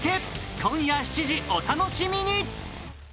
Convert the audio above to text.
今夜７時、お楽しみに。